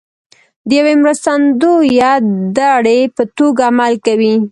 د یوې مرستندویه دړې په توګه عمل کوي